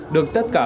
được tất cả